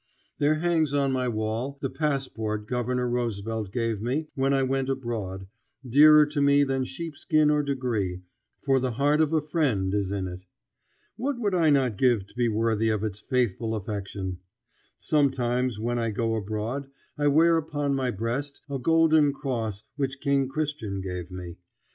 There hangs on my wall the passport Governor Roosevelt gave me when I went abroad, dearer to me than sheepskin or degree, for the heart of a friend is in it. What would I not give to be worthy of its faithful affection! Sometimes when I go abroad I wear upon my breast a golden cross which King Christian gave me.